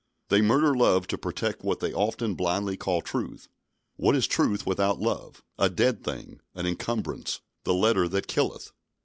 They murder love to protect what they often blindly call truth. What is truth without love? A dead thing, an encumbrance, the letter that killeth!